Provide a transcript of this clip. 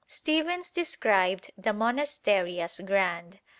Stephens described the monastery as "grand."